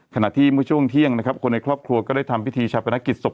ขณะที่ช่วงเที่ยงคนในครอบครัวก็ได้ทำพิธีชาวภัณฑ์กิจศพ